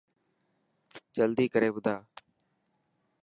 جلدي ڪر ٻڌا.